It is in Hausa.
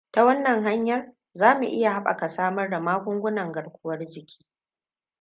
Ta wannan hanyar, zamu iya haɓaka samar da magungunan garkuwar jiki.